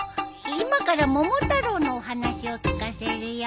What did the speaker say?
今から『桃太郎』のお話を聞かせるよ。